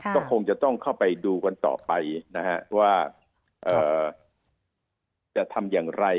ก็คงจะต้องเข้าไปดูกันต่อไปนะฮะว่าจะทำอย่างไร